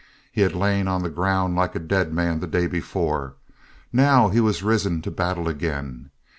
He had lain on the ground like a dead man the day before. Now he was risen to battle again!